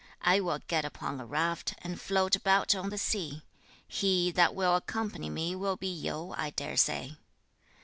I will get upon a raft, and float about on the sea. He that will accompany me will be Yu, I dare say.'